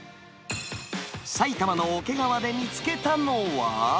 埼玉の桶川で見つけたのは。